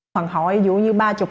họ hỏi dũng như ba trường